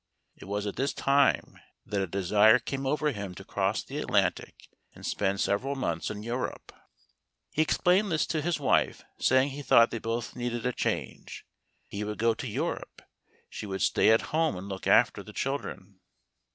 It was at this time that a desire came over him to cross the Atlantic and spend several months in Europe. He explained this to his wife, saying he thought they both needed a change. He would go to Eu¬ rope. She would stay at home and look after the children.